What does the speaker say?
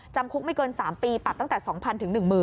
จำคุกไม่เกิน๓ปีปรับตั้งแต่๒๐๐๑๐๐